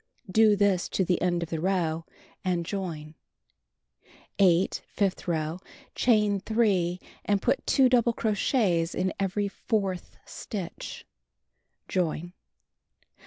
Do this to the end of the row and join. 8. Fifth row: Chain 3, and put 2 double crochets in every fourth stitch. Join.